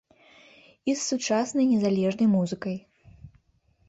І з сучаснай незалежнай музыкай.